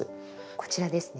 こちらですね。